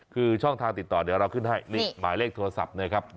คือช่องทางติดต่อเดี๋ยวเราขึ้นให้หมายเลขโทรศัพท์นะครับ